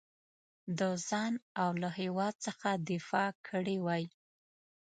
د ځان او له هیواد څخه دفاع کړې وای.